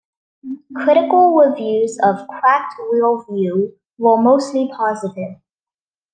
Critical reviews of "Cracked Rear View" were mostly positive.